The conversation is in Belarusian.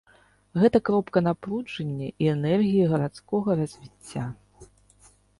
Гэта кропка напружання і энергіі гарадскога развіцця.